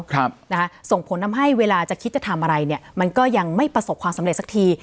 ครับนะคะส่งผลทำให้เวลาจะคิดจะทำอะไรเนี่ยมันก็ยังไม่ประสบความสำเร็จสักที